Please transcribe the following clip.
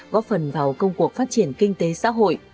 góp phần vào công cuộc phát triển kinh tế xã hội